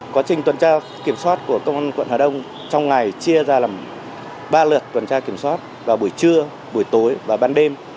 quá trình tuần tra kiểm soát của công an quận hà đông trong ngày chia ra làm ba lượt tuần tra kiểm soát vào buổi trưa buổi tối và ban đêm